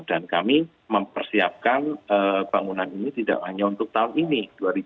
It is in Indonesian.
dan kami mempersiapkan bangunan ini tidak hanya untuk tahun ini dua ribu dua puluh dua